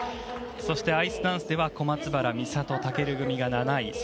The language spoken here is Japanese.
そしてアイスダンスでは小松原美里、尊組が７位。